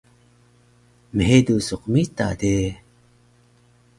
mhedu su qmita de